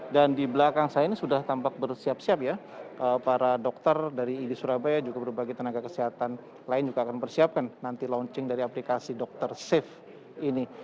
dan di belakang saya ini sudah tampak bersiap siap ya para dokter dari id surabaya juga berbagi tenaga kesehatan lain juga akan bersiapkan nanti launching dari aplikasi dokter saif ini